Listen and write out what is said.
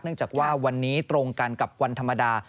จากว่าวันนี้ตรงกันกับวันธรรมดา